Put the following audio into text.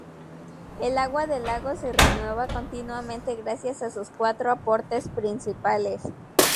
El agua del lago se renueva continuamente gracias a sus cuatro aportes principales.